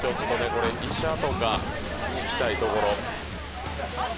これ医者とか引きたいところマジ？